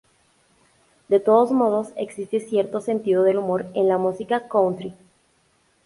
De todos modos, existe cierto sentido del humor en la música "country"".